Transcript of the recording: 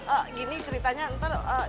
eh gini ceritanya ntar